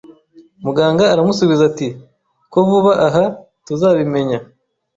Muganga aramusubiza ati: "Ko vuba aha tuzabimenya."